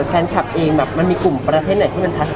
แต่จริงแล้วเขาก็ไม่ได้กลิ่นกันว่าถ้าเราจะมีเพลงไทยก็ได้